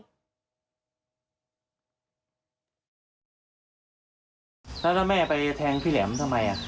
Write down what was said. น้าเต่าแม่ไปแทงพี่แหลมทำไมอ่ะ